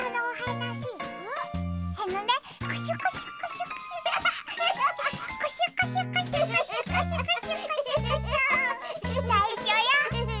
ないしょよ。